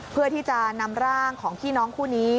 เพื่อที่จะนำร่างของพี่น้องคู่นี้